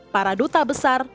para duta besar